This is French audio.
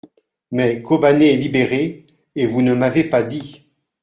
Mais, Kobané est libérée et vous ne m’avez pas dit.